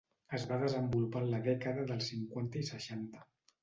Es va desenvolupar en la dècada dels cinquanta i seixanta.